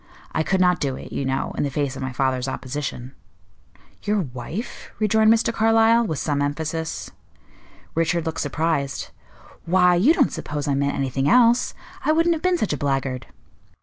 I could not do it, you know, in the face of my father's opposition." "Your wife?" rejoined Mr. Carlyle, with some emphasis. Richard looked surprised. "Why, you don't suppose I meant anything else! I wouldn't have been such a blackguard."